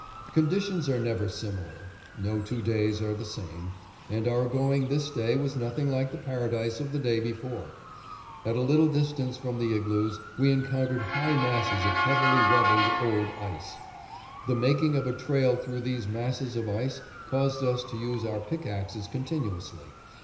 Conditions are never similar, no two days are the same; and our going this day was nothing like the paradise of the day before. At a little distance from the igloos we encountered high masses of heavily rubbled, old ice. The making of a trail through these masses of ice caused us to use our pickaxes continuously.